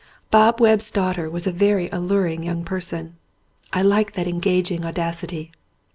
Bob Webb's daughter was a very alluring young person. I liked that engaging audacity.